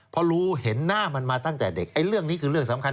เพราะรู้เห็นหน้ามันมาตั้งแต่เด็กเรื่องนี้คือเรื่องสำคัญ